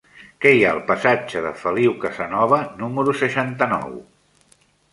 Què hi ha al passatge de Feliu Casanova número seixanta-nou?